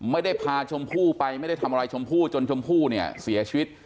ไม่ได้พาชมพู่ไปไม่ได้ทำอะไรชมพู่จนชมพู่เนี่ยเสียชีวิต